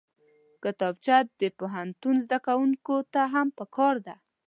کتابچه د پوهنتون زدکوونکو ته هم پکار ده